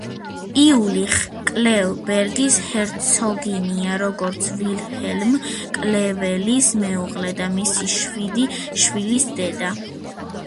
იულიხ-კლევ-ბერგის ჰერცოგინია როგორც ვილჰელმ კლეველის მეუღლე და მისი შვიდი შვილის დედა.